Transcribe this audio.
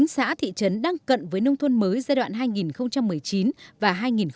bốn xã thị trấn đang cận với nông thôn mới giai đoạn hai nghìn một mươi chín và hai nghìn hai mươi